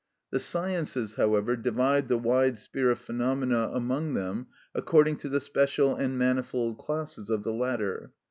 The sciences, however, divide the wide sphere of phenomena among them according to the special and manifold classes of the latter.